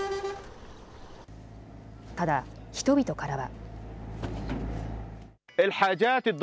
ただ人々からは。